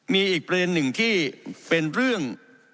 มีอีกประเด็นหนึ่งที่เป็นเรื่อง